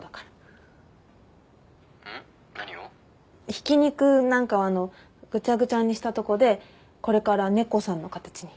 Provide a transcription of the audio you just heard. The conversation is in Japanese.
ひき肉なんかをあのぐちゃぐちゃにしたとこでこれから猫さんの形に。